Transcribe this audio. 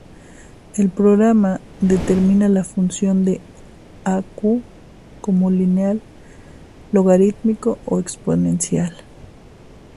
El programa determina la función de "Aq" como lineal, logarítmico, o exponencial.